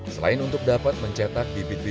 selain untuk dapat mencetak bibit bibit